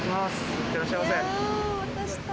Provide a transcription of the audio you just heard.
いってらっしゃいませ。